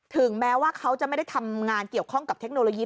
ถึงแม้ว่าเขาจะไม่ได้ทำงานเกี่ยวข้องกับเทคโนโลยี